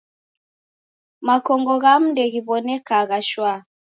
Makongo ghamu ndeghiw'onekagha shwaa.